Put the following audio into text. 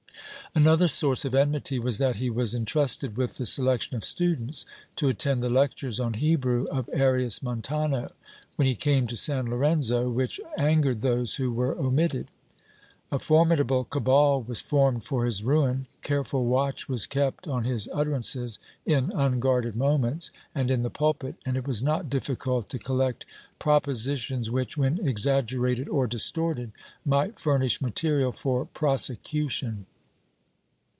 Another source of enmity was that he was entrusted with the selection of students to attend the lectures on Hebrew of Arias Montano, when he came to San Lorenzo, which angered those who were omitted. A formidable cabal was formed for his ruin; careful w^atch was kept on his utterances in unguarded moments and in the pulpit, and it was not difficult to collect propositions which, when exaggerated or distorted, might furnish material for prosecution.